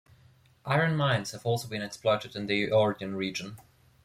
Iron mines have also been exploited in the Eordean region.